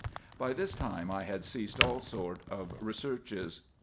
By this time I had ceased all sort of researches.